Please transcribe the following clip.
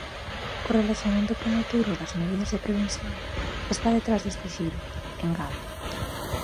O relaxamento prematuro das medidas de prevención está detrás deste xiro, engade.